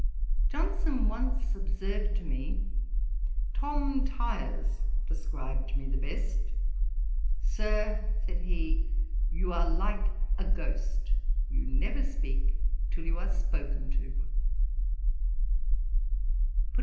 Johnson once observed to me, 'Tom Tyers described me the best: "Sir (said he), you are like a ghost: you never speak till you are spoken to."'